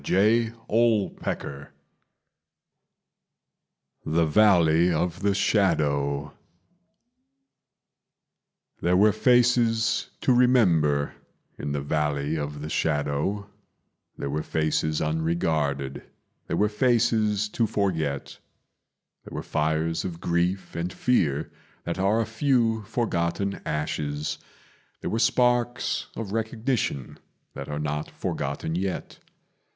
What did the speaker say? The Three Taverns The Valley of the Shadow There were faces to remember in the Valley of the Shadow, There were faces unregarded, there were faces to forget; There were fires of grief and fear that are a few forgotten ashes, There were sparks of recognition that are not forgotten yet.